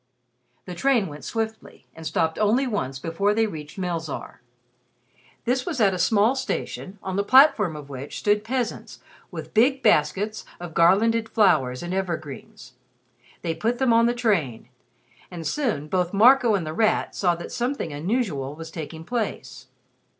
The train went swiftly, and stopped only once before they reached Melzarr. This was at a small station, on the platform of which stood peasants with big baskets of garlanded flowers and evergreens. They put them on the train, and soon both Marco and The Rat saw that something unusual was taking place.